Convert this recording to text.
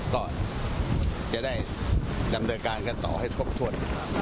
ก็จะได้นำโดยการกันต่อให้ทบทวน